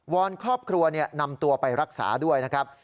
อนครอบครัวนำตัวไปรักษาด้วยนะครับ